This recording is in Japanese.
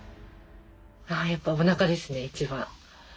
あやっぱおなかですね一番。